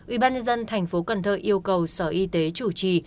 ubnd tp cần thơ yêu cầu sở y tế chủ trì